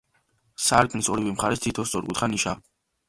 სარკმლის ორივე მხარეს თითო სწორკუთხა ნიშაა.